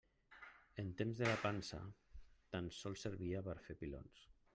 En temps de la pansa tan sols servia per a fer pilons.